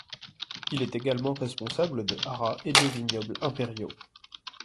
Il est également responsable de haras et de vignobles impériaux.